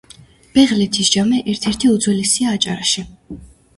ბეღლეთის ჯამე ერთ-ერთი უძველესია აჭარაში.